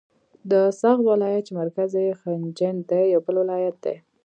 د سغد ولایت چې مرکز یې خجند دی یو بل ولایت دی.